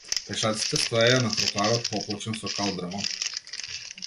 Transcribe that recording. Пешаците стоеја на тротоарот поплочен со калдрма.